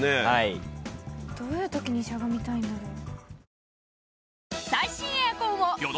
どういうときにしゃがみたいんだろう？